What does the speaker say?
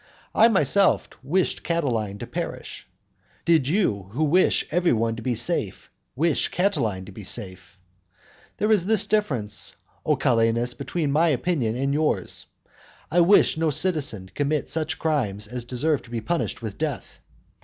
I myself wished Catiline to perish. Did you who wish every one to be safe, wish Catiline to be safe? There is this difference, O Calenus, between my opinion and yours. I wish no citizen to commit such crimes as deserve to be punished with death.